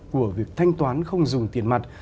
của việc thanh toán không dùng tiền mặt